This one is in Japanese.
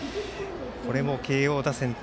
これも慶応打線対